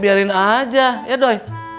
biarin aja ya doi